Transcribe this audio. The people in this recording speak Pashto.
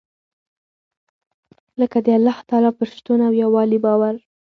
لکه د الله تعالٰی پر شتون او يووالي باور .